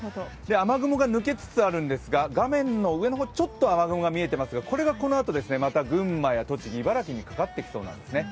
雨雲が抜けつつあるんですが画面の上の方、ちょっと雨雲見えてますがこれがこのあと群馬や栃木、茨城にかかってきそうなんですね。